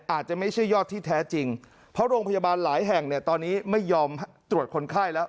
อาจจะไม่ใช่ยอดที่แท้จริงเพราะโรงพยาบาลหลายแห่งเนี่ยตอนนี้ไม่ยอมตรวจคนไข้แล้ว